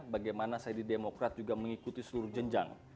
bagaimana saya di demokrat juga mengikuti seluruh jenjang